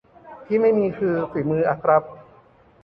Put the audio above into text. ที่ไม่มีคือฝีมืออะครับ